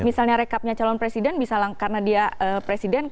misalnya rekapnya calon presiden bisa karena dia presiden karena tidak berpikir